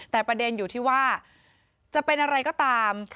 แต่ประเด็นอยู่ที่ว่าจะเป็นอะไรก็ตาม